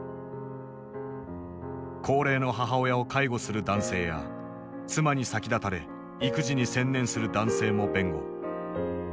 高齢の母親を介護する男性や妻に先立たれ育児に専念する男性も弁護。